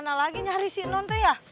lama lagi nyarisin nonte ya